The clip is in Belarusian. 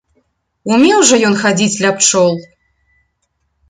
Умеў жа ён хадзіць ля пчол!